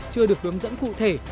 chưa được hướng dẫn cụ thể